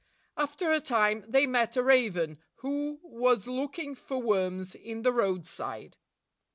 After a time, they met a raven who was look ing for worms in the roadside.